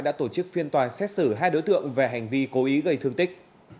đã tổ chức phiên tòa xét xử hai đối tượng về hành vi cố ý gây thương tích